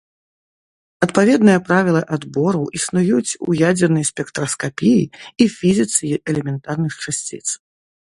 Адпаведныя правілы адбору існуюць у ядзернай спектраскапіі і фізіцы элементарных часціц.